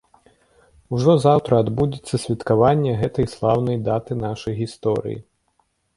Ужо заўтра адбудзецца святкаванне гэтай слаўнай даты нашай гісторыі.